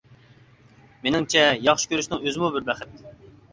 مېنىڭچە، ياخشى كۆرۈشنىڭ ئۆزىمۇ بىر بەخت.